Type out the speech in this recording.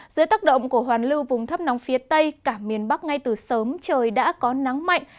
dưới tác động của hoàn lưu vùng thấp nóng phía tây cả miền bắc ngay từ sớm trời đã có nắng mạnh